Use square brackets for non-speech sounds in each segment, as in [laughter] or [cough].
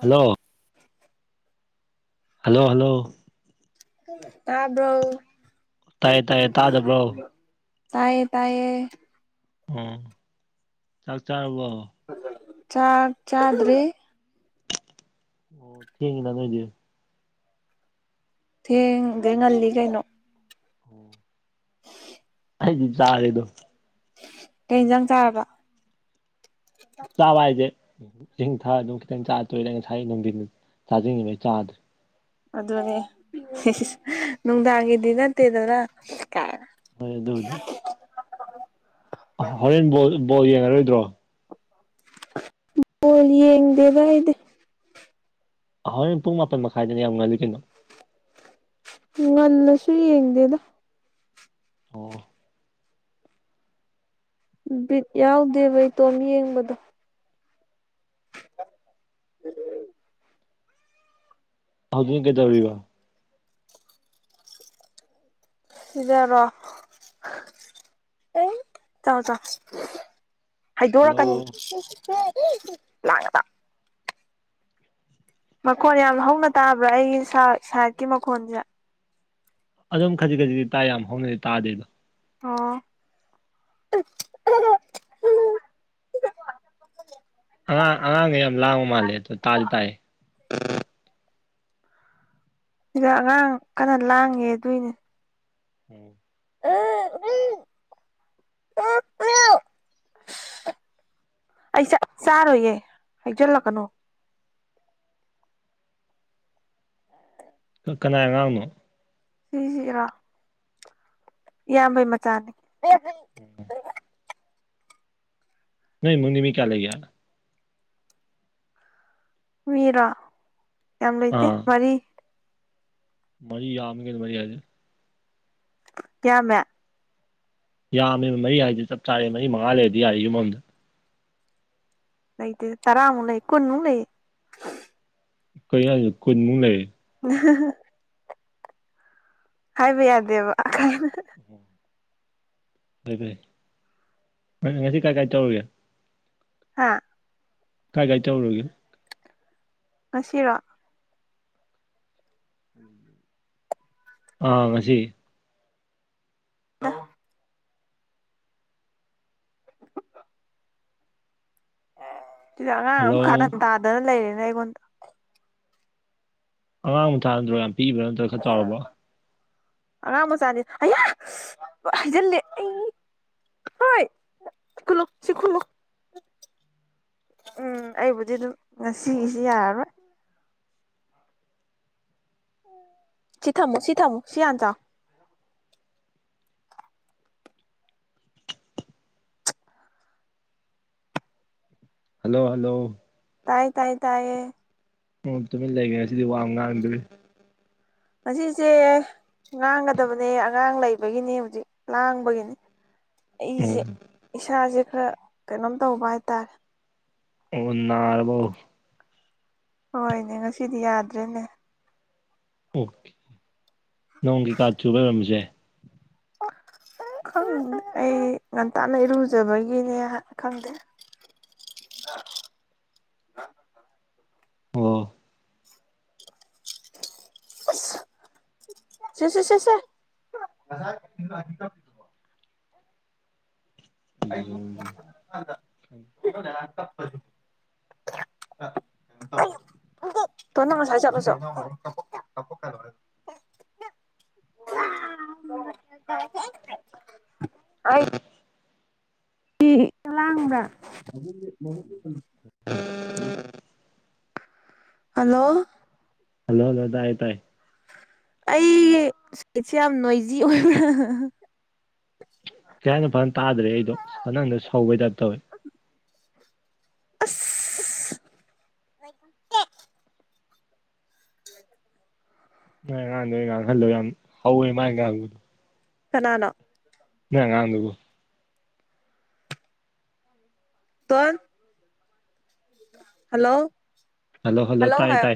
Hello. Hello hello ꯇ꯭ꯕꯔꯣ꯫ ꯇꯥꯏꯌꯦ ꯇꯥꯏꯌꯦ ꯇꯥꯗꯕ꯭ꯔꯣ ꯇꯥꯏꯌꯦ ꯇꯥꯏꯌꯦ꯫ ꯑꯣꯥ ꯆꯥꯛ ꯆꯥꯔꯕꯣ ꯆꯥ ꯆꯥꯗ꯭ꯔ ꯑꯣ ꯊꯦꯡꯉꯅ ꯅꯣꯏꯗꯤ꯫ ꯊꯦꯡꯒ ꯉꯜꯂꯤ ꯀꯩꯅꯣ ꯑꯣ ꯑꯩꯗꯤ ꯆꯥꯔꯦꯗꯣ꯫ ꯀꯩ ꯌꯦꯟꯖꯥꯡ ꯆꯥꯔꯕ꯫ ꯆꯥꯕ ꯍꯥꯏꯁꯦ ꯏꯁꯤꯡꯊꯥ ꯑꯗꯨꯝ ꯈꯤꯇꯪ ꯆꯥꯔ ꯇꯣꯏꯗ ꯉꯁꯥꯏ ꯅꯨꯡꯊꯤꯟ ꯆꯥꯖꯅꯤꯡꯉꯤꯩ ꯆꯥꯗ꯭ꯔꯦ ꯑꯗꯨꯅꯦ ꯅꯨꯡꯗꯥꯡꯒꯤꯗꯤ ꯅꯠꯇꯦꯗꯅ ꯍꯣꯏ ꯑꯗꯨ ꯑꯗꯨ ꯍꯣꯔꯦꯟ ꯕꯣꯜ ꯕꯣꯜ ꯌꯦꯡꯉꯔꯣꯏꯗ꯭ꯔꯣ ꯍꯣꯜ ꯌꯦꯡ ꯗꯦꯕ ꯏꯗ ꯍꯍꯣꯏ ꯄꯨꯡ ꯃꯥꯄꯟ ꯃꯈꯥꯏꯗꯅ ꯌꯥꯝ ꯉꯜꯂꯤ ꯀꯩꯅꯣ ꯉꯜꯂꯁꯨ ꯌꯦꯡꯗꯦꯗ ꯑꯣ ꯕꯤꯠ ꯌꯥꯎꯗꯦꯕ ꯏꯇꯣꯝ ꯌꯦꯡꯕꯗꯣ꯫ ꯎ꯫ ꯍꯧꯖꯤꯛꯅ ꯀꯩꯗꯧꯔꯤꯕ ꯁꯤꯗꯔꯣ ꯑꯦ ꯇ ꯇ ꯍꯜꯂꯣ ꯍꯥꯏꯩꯗꯣꯔꯛꯀꯅꯤ ꯂꯥꯡꯑꯗ ꯃꯈꯣꯟ ꯌꯥꯝ ꯍꯧꯅ ꯇꯥꯕ꯭ꯔꯥ ꯑꯩꯒꯤ ꯁꯥꯏꯠꯀꯤ ꯃꯈꯣꯟꯁꯦ ꯑꯗꯨꯝ ꯈꯖꯤꯛ ꯈꯖꯤꯛꯇꯗꯤ ꯇꯥ ꯌꯥꯝ ꯍꯧꯅꯗꯤ ꯇꯥꯗꯦꯕ ꯑ꯫ ꯑꯉꯥꯡ ꯑꯉꯥꯡꯒ ꯌꯥꯝ ꯂꯥꯡꯕ ꯃꯥꯜꯂꯦ ꯑꯗꯣ ꯇꯥꯜ ꯇꯥꯏ ꯁꯤꯗ ꯑꯉꯥꯡ ꯀꯟꯅ ꯂꯥꯡꯉꯦ ꯑꯗꯨꯏꯅꯦ꯫ [unintelligible] ꯑꯩ ꯆꯥꯔꯣꯏꯌꯦꯦ ꯍꯩꯖꯤꯜꯂꯛꯀꯅꯣ ꯀꯅꯥ ꯑꯉꯥꯡꯅꯣ ꯁꯤ ꯍꯔꯥ꯫ ꯏꯌꯥꯝꯕꯩ ꯃꯆꯥꯅꯤ ꯎꯝ ꯅ ꯃꯅꯤꯃꯤ ꯀꯌꯥ ꯂꯩꯒꯦ ꯃꯤꯔ ꯑꯦꯝ ꯂꯩꯩꯇꯩ ꯑꯥ ꯃꯔꯤ ꯃꯔꯤ ꯌꯥꯝꯒꯦꯗ ꯃꯔꯤ ꯍꯥꯏꯖꯦ ꯀꯌꯥ ꯃ ꯌꯥꯝꯃꯤ ꯃꯔꯤ ꯍꯥꯏꯗꯤꯦ ꯆꯞ ꯆꯥꯔꯦ ꯃꯔꯤ ꯃꯉꯥ ꯂꯩꯔꯗꯤ ꯌꯥꯏ ꯌꯨꯝ ꯑꯃꯗ꯫ ꯂꯩꯇꯦ ꯇꯔꯥꯃꯨꯛ ꯂꯩ ꯀꯨꯟꯃꯨꯛ ꯂꯩꯌꯦ ꯀꯩ ꯍꯥꯏ ꯀꯨꯟꯃꯨꯛ ꯂꯩꯦ ꯎ ꯍꯥꯏꯕ ꯌꯥꯗꯦꯕ ꯎꯝ ꯐꯔꯦ ꯐꯔꯦ ꯉꯁꯤ ꯀꯥꯏ ꯀꯥꯏ ꯇꯧꯔꯒꯦ ꯍꯥꯥ ꯀꯥꯏ ꯀꯥꯏ ꯇꯧꯔꯣꯒꯦ ꯉꯁꯤꯔꯣ ꯑꯥ ꯉꯁꯤ ꯑ ꯁꯤꯗ ꯑꯉꯥꯡ ꯑꯃ ꯍꯜꯂꯣ ꯀꯥꯍꯟ ꯇꯥꯗꯅ ꯂꯩꯔꯦꯅ ꯑꯩꯉꯣꯟꯗ ꯑꯉꯥꯡꯕꯨ ꯊꯥ ꯅꯠꯇ꯭ꯔꯣ ꯌꯥꯝ ꯄꯤꯛꯕ꯭ꯔ ꯅꯠꯇ꯭ꯔꯒ ꯈꯔ ꯆꯥꯎꯔꯕ ꯑꯉꯥꯡ ꯃꯆꯥꯅꯤ ꯍꯩꯖꯤꯜꯂꯦ ꯑꯩ ꯍꯣꯏꯂ ꯁꯈꯂ ꯎꯝ ꯑꯩꯕꯨꯗꯤ ꯑꯗꯨꯝ ꯉꯁꯤꯒꯤꯁꯤ ꯌꯥꯔꯔꯣꯏ ꯁꯤ ꯊꯝꯃꯣ ꯁꯤ ꯊꯝꯃꯣ ꯁꯤ ꯍꯟꯆꯥꯥ ꯍꯜꯂꯣ ꯍꯜꯂꯣ ꯇꯥꯏꯌꯦ ꯇꯥꯏ ꯇꯥꯏꯌꯦ ꯑꯣ ꯇꯨꯃꯤꯟ ꯂꯩꯒꯅꯦ ꯁꯤꯗꯤ ꯋꯥꯡ ꯉꯥꯡꯗꯣꯏ ꯑꯁꯤꯁꯦ ꯉꯥꯡꯒꯗꯕꯅꯦ ꯑꯉꯥꯡ ꯂꯩꯕꯒꯤꯅꯤ ꯍꯧꯖꯤꯛ ꯂꯥꯡꯕꯒꯤꯅꯤ ꯑꯣ ꯑꯩꯁꯦ ꯏꯁꯥꯁꯦ ꯈꯔ ꯀꯩꯅꯣꯝ ꯇꯧꯕ ꯍꯥꯏꯇꯥꯔꯦ ꯑꯣꯟꯅꯥꯔꯔꯕꯥꯎ ꯍꯣꯏꯅꯦ ꯉꯁꯤꯗꯤ ꯌꯥꯗ꯭ꯔꯦꯅꯦ ꯑꯣꯀꯦ ꯅꯣꯡ ꯀꯩꯀꯥ ꯆꯨꯕ ꯂꯩꯔꯝꯝꯕꯁꯦ ꯑꯩ ꯉꯟꯇꯥꯅ ꯏꯔꯨꯖꯕꯒꯤꯅꯦ ꯈꯪꯗꯦ ꯑꯣ ꯁꯦꯁꯦ ꯁꯦꯁꯦ [unintelligible] [inaudible] ꯊꯣꯟ ꯅꯪ ꯉꯁꯥꯏ ꯆꯠꯂꯨꯁꯨꯣ ꯆꯂꯥꯡꯕ꯭ꯔ ꯍꯜꯂꯣ ꯍꯂꯣ ꯍꯂꯣꯏꯗ ꯍꯥꯏꯥꯏ ꯇꯥꯏ ꯑꯩ ꯁꯠꯁꯦ ꯌꯥꯝ ꯅꯣꯏꯖꯤ ꯑꯣꯏꯕ꯭ꯔꯥ ꯀꯦꯅ ꯐꯖꯅ ꯇꯥꯗ꯭ꯔꯦ ꯑꯩꯗꯣ ꯅꯪꯗ ꯁꯧꯕꯩꯗꯞ ꯇꯧꯋꯦ ꯫ ꯀꯝ ꯅꯥꯏ ꯑꯉꯥꯡꯗ ꯑꯩꯅ ꯉꯥꯡꯍꯜꯂꯣ ꯌꯥꯝ ꯍꯧꯋꯦ ꯃꯥꯥꯏ ꯉꯥꯡꯕꯗꯣ ꯀꯅꯥꯅꯥ ꯅꯉꯥꯡꯗꯨꯕꯨꯣ ꯇ꯫ ꯍꯜꯂꯣ ꯍꯂꯣ ꯍꯂꯣ ꯍꯜꯂꯣ ꯇꯥꯏ ꯍꯥꯏꯌꯣ ꯇꯥꯏ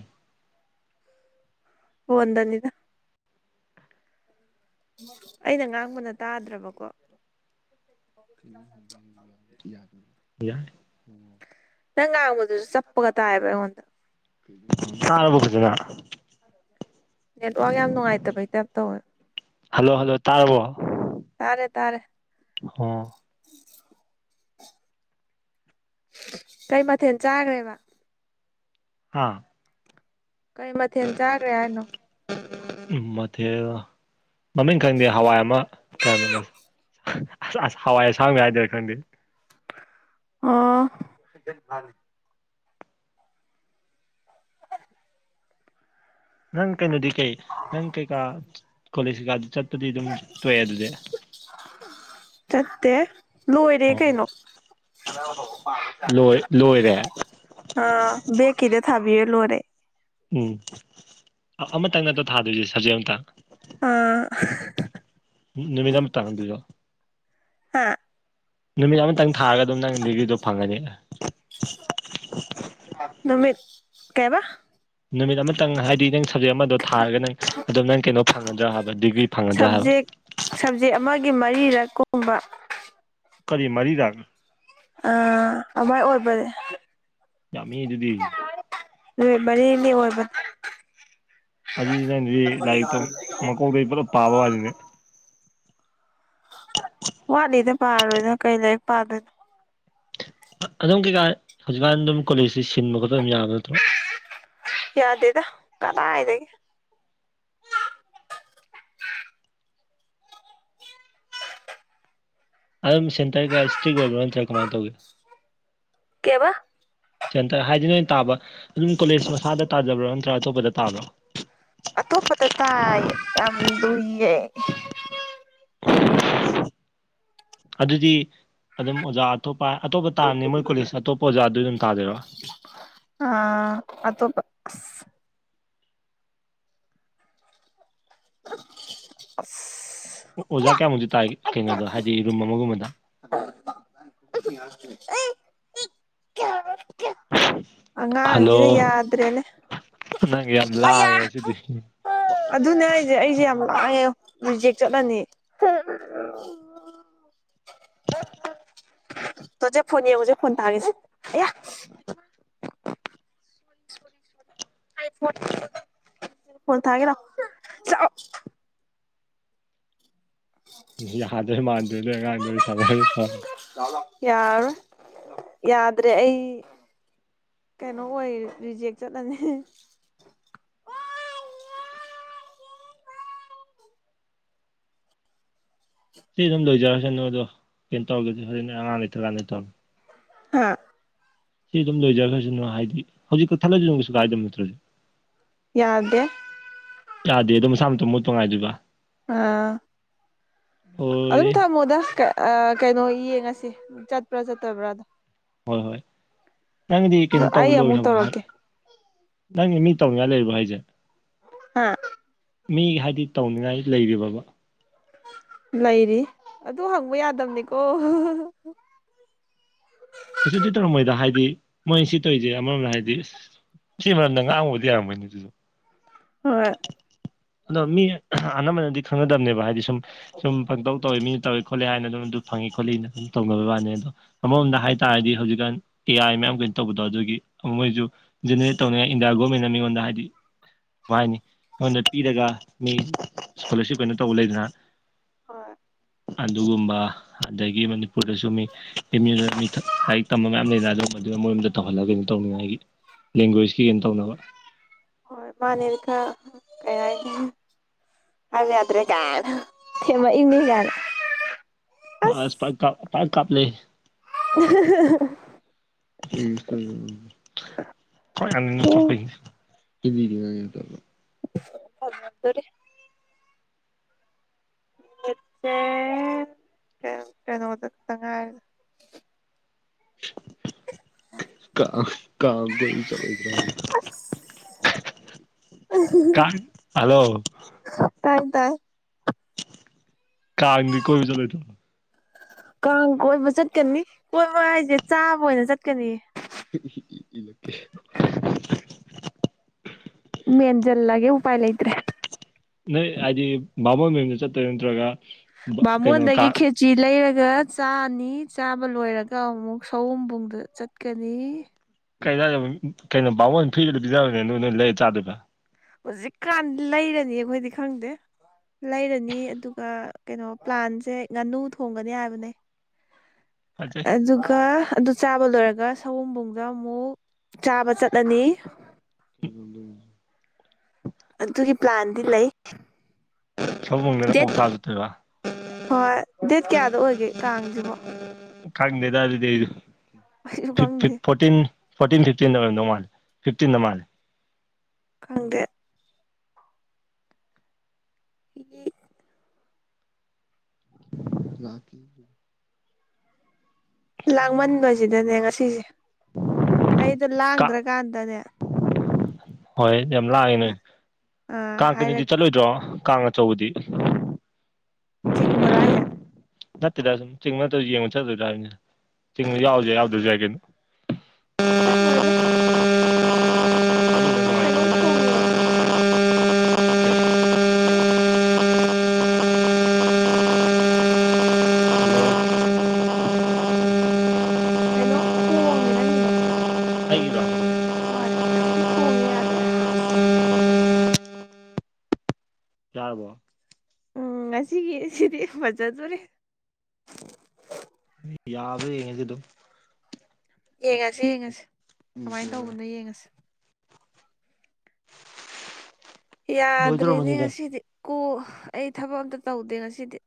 ꯐꯣꯟꯗꯅꯤꯗ꯫ ꯑꯩꯅ ꯉꯥꯡꯕꯅ ꯇꯥꯗ꯭ꯔꯕꯀꯣ ꯩꯅ ꯌꯥ ꯌꯥ ꯅꯪ ꯉꯥꯡꯕꯗꯨꯁꯨ ꯆꯞꯄꯒ ꯇꯥꯏꯑꯕ ꯑꯩꯉꯣꯟꯗ ꯕꯖꯅ ꯅꯦꯠꯋꯥꯛ ꯌꯥꯝ ꯅꯨꯡꯉꯥꯏꯇꯕ ꯍꯇꯥꯏꯞ ꯇꯧꯋꯦ ꯍꯜꯂꯣ ꯍꯜꯂꯣ ꯇꯥꯔꯕꯣ ꯇꯥꯔꯦ ꯇꯥꯔꯦ ꯑꯣ ꯀꯩ ꯃꯊꯦꯜ ꯆꯥꯈ꯭ꯔꯦꯕ ꯍꯥꯥ ꯀꯩ ꯃꯊꯦꯜ ꯆꯥꯈ꯭ꯔꯦ ꯍꯥꯏꯅꯣ ꯃꯊꯦ ꯃꯃꯤꯡ ꯈꯪꯗꯦ ꯍꯋꯥꯏ ꯑꯃ ꯀꯌꯥꯅꯣ ꯍꯋꯥꯏ ꯑꯁꯥꯡꯕ ꯍꯥꯏꯗꯔ ꯈꯪꯗꯦ ꯑ꯫ ꯅꯪ ꯀꯩꯅꯣꯗꯤ ꯀꯩ ꯅꯪ ꯀꯩꯀꯥ ꯀꯣꯂꯦꯖ ꯀꯩꯀꯥꯗꯤ ꯆꯠꯄꯗꯤ ꯑꯗꯨꯝ ꯇꯣꯛꯑꯦ ꯑꯗꯨꯗꯤ꯫ ꯆꯠꯇꯦ ꯂꯣꯏꯣꯏꯔ ꯑꯣ ꯀꯩꯅꯣ ꯂꯣꯏ ꯂꯣꯏꯔꯦ ꯑ ꯕ‌ꯦꯛꯀꯤꯗ ꯊꯕꯤ ꯂꯣꯏꯔꯦ ꯎꯝ ꯑꯃꯇꯪ ꯅꯠꯇ ꯊꯥꯗꯣꯏꯁꯦ ꯁꯞꯖꯦꯛ ꯑꯃꯇꯪ ꯑꯥ ꯅꯨꯃꯤꯠ ꯑꯃ ꯇꯥꯡꯗꯣꯏꯔꯣ ꯍꯥ ꯅꯨꯃꯤꯠ ꯑꯃꯇꯪ ꯊꯥꯔꯒ ꯑꯗꯨꯝ ꯅꯪ ꯔꯤꯕꯤꯗꯣ ꯐꯪꯉꯅꯤ ꯅꯨꯃꯤꯠ ꯀꯩꯌꯦꯕ ꯅꯨꯃꯤꯠ ꯑꯃꯇꯪ ꯍꯥꯏꯗꯤ ꯅꯪ ꯁꯞꯖꯦꯛ ꯑꯃꯗꯣ ꯊꯥꯔꯒ ꯅꯪ ꯑꯗꯨꯝ ꯅꯪ ꯀꯩꯅꯣ ꯐꯪꯉꯗ꯭ꯔꯥ ꯍꯥꯏꯕ ꯗꯤꯒ꯭ꯔꯤ ꯐꯪꯉꯗ꯭ꯔꯥ ꯍꯥꯏꯕ ꯁꯕꯖꯦꯛ ꯁꯕꯖꯦꯛ ꯑꯃꯒꯤ ꯃꯔꯤꯔꯛ ꯀꯨꯝꯕ ꯀꯔꯤ ꯃꯔꯤꯔꯛ ꯑꯥ ꯑꯃꯥꯏ ꯑꯣꯏꯕꯅꯦ ꯌꯥꯝꯃꯦ ꯑꯗꯨꯗꯤ ꯅꯨꯃꯤꯠ ꯃꯔꯤꯅꯤ ꯑꯣꯏꯕꯅꯤ ꯑꯗꯨꯗꯤ ꯑꯩꯗꯨꯗꯤ ꯂꯥꯏꯔꯤꯛꯇꯣ ꯃꯀꯣꯛꯗꯩ ꯄꯨꯂꯞ ꯄꯥꯕ ꯋꯥꯅꯤꯅꯦ ꯋꯥꯠꯂꯤꯗ ꯄꯥꯔꯣꯏꯅ ꯀꯩ ꯂꯥꯏꯔꯤꯛ ꯄꯥꯗꯣꯏꯅꯣ ꯑꯗꯨꯝ ꯀꯩꯀꯥꯟ ꯍꯧꯖꯤꯛꯀꯥꯟ ꯑꯗꯨꯝ ꯀꯣꯂꯦꯖꯁꯤ ꯁꯤꯟꯕ ꯈꯣꯠꯄ ꯑꯗꯨꯝ ꯌꯥꯕ ꯅꯠꯇ꯭ꯔꯣ ꯌꯥꯗꯦꯗ ꯀꯗꯥꯏꯗꯒꯤ ꯑꯗꯨꯝ ꯁꯦꯟꯇꯔ ꯀꯌꯥ ꯏꯁꯇ꯭ꯔꯤꯛ ꯑꯣꯏꯕꯔꯣ ꯅꯠꯇ꯭ꯔꯥ ꯀꯃꯥꯏꯟ ꯇꯧꯒꯦ ꯀꯩꯕ ꯁꯦꯟꯇꯔ ꯍꯥꯏꯗꯤ ꯅꯣꯏ ꯇꯥꯕ ꯑꯗꯨꯝ ꯀꯣꯂꯦꯖ ꯃꯁꯥꯗ ꯇꯥꯖꯕ꯭ꯔꯣ ꯅꯠꯇ꯭ꯔ ꯑꯇꯣꯞꯄꯗ ꯇꯥꯕ꯭ꯔꯣ ꯑꯇꯣꯞꯄꯗ ꯇꯥꯏꯌꯦ ꯌꯥꯝ ꯂꯨꯏꯌꯦ ꯑꯗꯨꯗꯤ ꯑꯗꯨꯝ ꯑꯣꯖꯥ ꯑꯇꯣꯞꯄ ꯑꯇꯣꯞꯄ ꯇꯥꯅꯤ ꯃꯣꯏ ꯀꯣꯂꯦꯖ ꯑꯇꯣꯞꯄ ꯑꯣꯖꯥꯗꯨ ꯑꯗꯨꯝ ꯇꯥꯗꯣꯏꯔꯣ ꯑꯥ ꯑꯇꯣꯞꯄ ꯑꯁ [unintelligible] ꯑꯣ ꯑꯣꯖꯥ ꯀꯌꯥꯃꯨꯛꯇꯤ ꯇꯥꯏ ꯀꯩꯅꯣꯗ ꯍꯥꯏꯗꯤ ꯔꯨꯝ ꯑꯃꯒꯨꯝꯕꯗ [unintelligible] ꯑꯉꯥꯡꯖꯤꯅ ꯌꯥꯗ꯭ꯔꯦꯅꯦ ꯅꯪꯒꯤ ꯌꯥꯝ ꯂꯥꯡꯉꯦ ꯉꯥꯁꯤꯗꯤ ꯑꯗꯨꯅꯦ ꯍꯥꯏꯖꯦ ꯑꯩꯖꯦ ꯌꯥꯝ ꯂꯥꯡꯉꯦ ꯔꯤꯖꯦꯛ ꯆꯠꯂꯅꯤ ꯇꯣꯖꯦ ꯐꯣꯟ ꯌꯦꯡꯉꯨꯖꯦ ꯐꯣꯟ ꯊꯥꯒꯦꯁꯦ ꯑꯌꯥ [unintelligible] ꯌꯥꯗꯣꯏ ꯃꯥꯟꯗ꯭ꯔꯦꯅꯦ ꯑꯉꯥꯟꯗꯣꯏ ꯁꯥꯟꯅꯔ ꯐꯥ ꯌꯥꯔꯔꯣꯏ ꯌꯥꯗ꯭ꯔꯦ ꯑꯩ ꯀꯩꯅꯣ ꯑꯣꯏ ꯔꯤꯖꯦꯛ ꯆꯠꯂꯅꯤ ꯁꯤ ꯑꯗꯨꯝ ꯂꯣꯏꯖꯔꯁꯅꯨ ꯑꯗꯣ ꯀꯩꯅꯣ ꯇꯧꯔꯒꯦ ꯍꯣꯔꯦꯟ ꯑꯉꯥꯡ ꯂꯩꯇ꯭ꯔꯀꯥꯟꯗ ꯇꯧꯔꯛ ꯍꯥ ꯁꯤ ꯑꯗꯨꯝ ꯂꯣꯏꯖꯒ꯭ꯔꯖꯥꯅꯨ ꯍꯥꯏꯗꯤ ꯍꯧꯖꯤꯛ ꯀꯛꯊꯠꯂꯖꯨ ꯗꯨꯝ ꯀꯩꯁꯨ ꯀꯥꯏꯗꯕ ꯅꯠꯇ꯭ꯔꯣꯅ‌ꯦ ꯌꯥꯗꯦ ꯌꯥꯗꯦ ꯑꯗꯨꯝ ꯃꯁꯥ ꯃꯇꯣꯝ ꯃꯨꯠꯄ ꯉꯥꯏꯗꯣꯏꯕ ꯑꯥ ꯑꯗꯨꯝ ꯂꯣꯏꯔꯦ ꯊꯝꯃꯣꯗ ꯀ ꯑ ꯀꯩꯅꯣ ꯌꯦꯡꯉꯁꯤ ꯆꯠꯄ꯭ꯔꯥ ꯆꯠꯇꯕ꯭ꯔꯥꯗꯣ꯫ ꯍꯣꯏ ꯍꯣꯏ ꯅꯪꯗꯤ ꯑꯗꯣ ꯀꯩꯅꯣ ꯇꯧ ꯑꯩ ꯑꯃꯨꯛ ꯂꯣꯏꯒꯔꯕ ꯍꯥꯏ ꯇꯧꯔꯛꯀꯦ ꯅꯪꯒꯤ ꯃꯤ ꯇꯧꯅꯤꯡꯉꯥꯏ ꯂꯩꯔꯤꯕꯣ ꯍꯥꯏꯖꯦ ꯍꯥ ꯃꯤ ꯍꯥꯏꯗꯤ ꯇꯧꯅꯤꯡꯉꯥꯏ ꯂꯩꯔꯤꯕꯕ ꯂꯩꯔꯤ ꯑꯗꯨ ꯍꯪꯕ ꯌꯥꯗꯝꯅꯤꯀꯣ ꯀꯩꯁꯨꯗꯤ ꯇꯧꯔꯝꯃꯣꯏꯗ ꯍꯥꯏꯗꯤ ꯃꯣꯏꯟ ꯁꯤ ꯇꯧꯏꯖꯦ ꯑꯃꯔꯣꯝꯗ ꯍꯥꯏꯗꯤ ꯁꯤ ꯃꯔꯝꯅ ꯉꯥꯡꯕꯕꯨꯗꯤ ꯌꯥꯔꯝꯃꯅꯤ ꯑꯗꯨꯗꯤ ꯍꯣꯏ ꯑꯗꯣ ꯃꯤ ꯑꯅꯝꯕꯅꯗꯤ ꯈꯪꯅꯗꯕꯅꯦꯕ ꯍꯥꯏꯗꯤ ꯁꯨꯝ ꯁꯨꯝ ꯄꯪꯇꯧ ꯇꯧꯋꯦ ꯃꯤꯅ ꯇꯧꯋꯦ ꯈꯣꯠꯂꯦ ꯍꯥꯏꯅ ꯑꯗꯨꯝ ꯑꯗꯨ ꯐꯪꯉꯤ ꯈꯣꯠꯂꯤꯅ ꯑꯗꯨ ꯇꯧꯅꯕꯩ ꯋꯥꯅꯤ ꯑꯗꯣ ꯑꯃꯔꯣꯝꯗ ꯍꯥꯏꯇꯥꯥꯔꯗꯤ ꯍꯧꯖꯤꯛꯀꯥꯟ ꯑꯦ ꯑꯥꯏ ꯃꯌꯥꯝ ꯀꯩꯅꯣ ꯇꯧꯕꯗꯣ ꯑꯗꯨꯒꯤ ꯃꯣꯏꯖꯨ ꯖꯦꯅꯦꯔꯦꯠ ꯇꯧꯅꯤꯉꯥꯏ ꯏꯟꯗꯤꯌꯥ ꯒꯣꯔꯃꯦꯟꯅ ꯃꯤꯉꯣꯟꯗ ꯍꯥꯏꯗꯤ ꯚꯥꯏꯅꯤ ꯑꯩꯉꯣꯟꯗ ꯄꯤꯔꯒ ꯃꯤ ꯏꯁꯀꯣꯂꯔꯁꯤꯞ ꯀꯩꯅꯣ ꯇꯧꯕ ꯂꯩꯗꯅ ꯍꯣꯏ ꯑꯗꯨꯒꯨꯝꯕ ꯑꯗꯒꯤ ꯃꯅꯤꯄꯨꯔꯗꯁꯨ ꯃꯤ꯫ ꯂꯥꯏꯔꯤꯛ ꯇꯝꯕ ꯃꯌꯥꯝ ꯂꯩꯅ ꯑꯗꯨꯒ ꯃꯗꯨꯅ ꯃꯣꯏꯣꯝꯗ ꯇꯧꯍꯜꯂꯒ ꯀꯩꯅꯣ ꯇꯧꯅꯤꯡꯉꯥꯏꯒꯤ꯫ ꯂꯦꯡꯒ꯭ꯋꯦꯖꯀꯤ ꯀꯩꯅꯣ ꯇꯧꯅꯕ꯫ ꯑꯣ ꯃꯅꯦꯔꯀ ꯀꯌꯥꯅꯤ ꯍꯥꯏꯕꯌꯥꯗ꯭ꯔꯦ ꯀꯃꯥꯏꯅ ꯊꯝꯃꯛ ꯏꯅꯤ ꯍꯣꯏꯁ ꯄꯥꯏ ꯄꯥꯏꯛ ꯀꯥꯄꯂꯦ [unintelligible] [unintelligible] ꯍꯅꯤꯅ ꯆ ꯎꯝ [unintelligible] [unintelligible] [unintelligible] ꯀꯩ ꯀꯩꯅ‌ꫭꯗ ꯀꯥ ꯀꯥꯡ ꯀꯣꯏ ꯆꯠꯂꯣꯏꯗꯔꯣ ꯀꯥꯏ ꯍꯜꯂꯣ ꯇꯥꯏ ꯇꯥꯏ ꯀꯥꯗꯤ ꯀꯣꯏ ꯆꯠꯂꯣꯏꯗꯔꯣ ꯀꯥꯡ ꯀꯣꯏꯕ ꯆꯠꯀꯅꯤ ꯀꯣꯏꯕ ꯍꯥꯏꯁꯦ ꯆꯥꯕ ꯑꯣꯏꯅ ꯆꯠꯀꯅꯤꯌꯦ꯫ [unintelligible] ꯃꯦꯟꯁꯤꯜꯂꯒꯦ ꯎꯄꯥꯏ ꯂꯩꯇ꯭ꯔꯦ꯫ ꯅꯣꯏ ꯍꯥꯏꯗꯤ ꯕꯥꯕꯣꯟ ꯃꯌꯨꯝꯗ ꯆꯠꯇ꯭ꯔ ꯅꯠꯇ꯭ꯔꯒ ꯀꯩꯅꯣ ꯕꯥꯃꯣꯟꯗꯒꯤ ꯀꯥꯡ ꯈꯦ ꯎꯆꯤ ꯂꯩꯔꯒ ꯆꯥꯅꯤ ꯆꯥꯕ ꯂꯣꯏꯔꯒ ꯑꯃꯨꯛ ꯁꯑꯣꯨꯝꯕꯨꯡꯗ ꯆꯠꯀꯅꯤ꯫ ꯀꯗ ꯀꯩꯅꯣ ꯕꯥꯕꯣꯟ ꯐ꯭ꯔꯤꯗꯣ ꯄꯤꯖꯔꯕꯅꯦ ꯅꯣꯏ ꯅꯣꯏ ꯂꯩꯔ ꯆꯥꯗꯣꯏꯕ꯫ ꯍꯧꯖꯤꯛꯀꯥꯟ ꯂꯩꯔꯅꯤ ꯑꯈꯣꯏꯗꯤ ꯈꯪꯗꯦ꯫ ꯂꯩꯔꯅꯤ ꯑꯗꯨꯒ ꯀꯩꯅꯣ ꯄ꯭ꯂꯥꯟꯁꯦ ꯉꯥꯅꯨ ꯊꯣꯡꯒꯅꯤ ꯍꯥꯏꯕꯅꯦ ꯐꯖꯩ ꯑꯗꯨꯒ ꯑꯗꯨ ꯆꯥꯕ ꯂꯣꯏꯔꯒ ꯁꯒꯣꯕꯨꯡꯗ ꯑꯃꯨꯛ ꯆꯥꯕ ꯆꯠꯂꯅꯤ꯫ ꯎꯝ ꯑꯗꯨꯒꯤ ꯄ꯭ꯂꯥꯟꯗꯤ ꯂꯩ꯫ ꯁꯑꯣꯕꯨꯡꯗꯅ ꯗꯦꯠ ꯑꯣꯛ ꯆꯥ ꯆꯠꯇꯣꯏꯕ ꯍꯣꯏ ꯗꯦꯠ ꯀꯌꯥꯗ ꯑꯣꯏꯒꯦ ꯀꯥꯡꯁꯤꯕꯣ꯫ ꯀꯪꯗꯦꯗ ꯑꯗꯨꯗꯤ ꯑꯩꯁꯨ ꯈꯪꯗꯦ [unintelligible] ꯐꯣꯔꯇꯤꯟ ꯐꯣꯔꯇꯤꯟ ꯐꯤꯞꯇꯤꯟꯗ ꯑꯣꯏꯝꯗꯧ ꯃꯥꯂꯦ ꯐꯤꯞꯇꯤꯟꯗ ꯃꯥꯜꯂꯦ꯫ ꯈꯪꯗꯦ [unintelligible] ꯂꯥꯛꯀꯤ ꯂꯥꯡꯃꯟꯕꯁꯤꯗꯅꯦ ꯉꯁꯤꯁꯦ ꯑꯩꯗꯣ ꯀꯥꯡ ꯂꯥꯡꯗ꯭ꯔꯀꯥꯟꯗꯅꯦ꯫ ꯍꯣꯏ ꯌꯥꯝ ꯂꯥꯛꯉꯦ ꯅꯣꯏ ꯑꯥ ꯀꯥꯡ ꯀꯅꯗꯤ ꯍꯥꯏꯔꯛꯀꯦ ꯆꯠꯂꯣꯏꯗ꯭ꯔꯣ ꯀꯥꯡ ꯑꯆꯧꯕꯗꯤ꯫ ꯆꯤꯡ ꯕꯣꯔꯣ ꯍꯥꯏꯁꯦ꯫ ꯅꯠꯇꯦꯗ ꯁꯨꯝ ꯆꯤꯡ ꯅꯠꯇ ꯌꯦꯡꯉ ꯆꯠꯇꯣꯏꯗꯥꯅꯤ ꯆꯤꯡ ꯌꯥꯎꯁꯦ ꯌꯥꯎꯗꯣꯏꯁꯨ ꯌꯥꯏ ꯀꯩꯅꯣ꯫ ꯆꯠꯂꯣꯏꯗ꯫ ꯃꯥ ꯑꯗꯨꯅ ꯀꯩꯅꯣꯝ ꯅꯨꯡꯉꯥꯏꯇ꯭ꯔꯣ ꯈꯣꯡꯉꯦ꯫ [unintelligible] ꯀꯩꯅꯣꯝ ꯈꯣꯡꯉꯦ ꯅꯪꯒꯤꯗꯣ꯫ [unintelligible] ꯍꯣꯏ ꯌꯥꯝꯇꯤ ꯈꯣꯡꯉꯦ ꯌꯥꯗ꯭ꯔꯦ ꯑꯁ ꯌꯥꯥꯔꯕꯣ꯫ ꯎꯝ ꯉꯁꯤꯒꯤꯁꯤꯗꯤ ꯐꯖꯗꯣꯔꯤ꯫ ꯌꯥꯕ ꯌꯦꯡꯉꯗꯤ ꯑꯗꯨꯝ꯫ ꯌꯦꯡꯉꯁꯤ ꯌꯦꯡꯉꯁꯤ ꯀꯃꯥꯏꯅ ꯇꯧꯕꯅꯣ ꯌꯦꯡꯉꯁꯤ꯫ ꯌꯥꯗ꯭ꯔꯦꯅꯦ ꯂꯣꯏꯗꯣꯔꯕꯅꯤꯗ ꯉꯁꯤꯗꯤ ꯀꯣ ꯑꯩ ꯊꯕꯛ ꯑꯝꯇ ꯇꯧꯗꯦ ꯉꯁꯤꯗꯤ꯫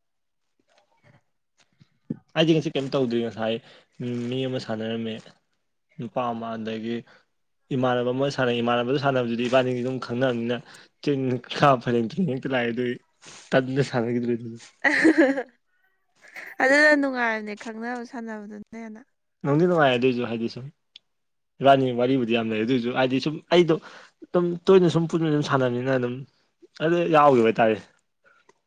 ꯑꯩꯗꯤꯦ ꯉꯁꯤ ꯀꯩꯝ ꯇꯧꯗꯣꯏ ꯉꯁꯥꯏ ꯃꯤ ꯑꯃ ꯁꯥꯟꯅꯔꯝꯃꯦ꯫ ꯅꯨꯄꯥ ꯑꯃ ꯑꯗꯒꯤ ꯏꯃꯥꯟꯅꯕ ꯑꯃ ꯁꯥꯟꯅꯩ ꯏꯃꯥꯟꯅꯕꯗ ꯁꯥꯟꯅꯕꯗꯨꯗꯤ ꯏꯕꯥꯅꯤꯗꯤ ꯑꯗꯨꯝ ꯈꯪꯅꯔꯕꯅꯤꯅ ꯆ ꯈꯥ ꯐꯔꯦꯛꯇ ꯂꯥꯛꯑ ꯑꯗꯨ ꯇꯅ ꯁꯥꯟꯅꯈꯤꯗ꯭ꯔ ꯑꯗꯨꯅ ꯅꯨꯡꯉꯥꯏꯕꯅꯦ ꯈꯪꯅꯕ ꯁꯥꯟꯅꯕꯗꯨꯅꯦ ꯍꯦꯟꯅ ꯅꯨꯡꯗꯤ ꯅꯨꯡꯉꯥꯏ ꯑꯗꯨꯑꯣꯏꯁꯨ ꯍꯥꯏꯗꯤ ꯁꯨꯝ ꯏꯔꯥꯅꯤ ꯋꯥꯔꯤꯕꯨꯗꯤ ꯌꯥꯝ ꯂꯩ ꯑꯗꯨꯑꯣꯏꯁꯨ ꯍꯥꯏꯗꯤ ꯁꯨꯝ ꯑꯩꯗꯣ ꯑꯗꯨꯝ ꯇꯣꯏꯅ ꯁꯨꯝ ꯄꯨꯟꯅ ꯑꯗꯨꯝ ꯁꯥꯟꯅꯕꯅꯤꯅ ꯑꯗꯨꯝ ꯑꯗꯨ ꯌꯥꯎꯈꯤꯕ ꯍꯥꯏꯇꯥꯔꯦ